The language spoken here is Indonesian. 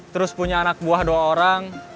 terus punya anak buah dua orang